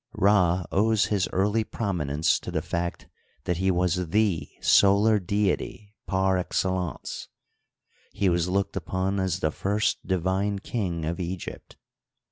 RJ owes his early prominence to the fact that he was the solar deity par excellence ; he was looked upon as the first divine Icing of Egypt.